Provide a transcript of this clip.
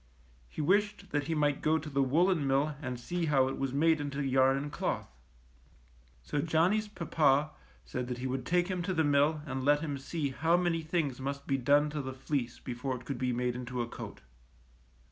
He wished that he might go to the woolen mill and see how it was made into yarn and cloth. So Johnny^s papa said that he would take him to the mill and let him see how many things must be done to the fleece before it could be made into a coat.